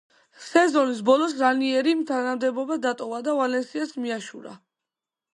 სეზონის ბოლოს რანიერიმ თანამდებობა დატოვა და „ვალენსიას“ მიაშურა.